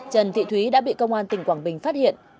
trần thị thúy đã bị công an tỉnh quảng bình phát hiện